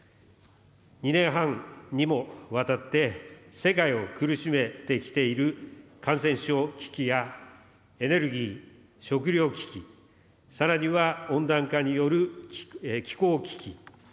２年半にもわたって、世界を苦しめてきている感染症危機や、エネルギー・食料危機、さらには温暖化による気候危機。